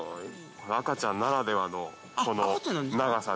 赤ちゃんならではの長さ。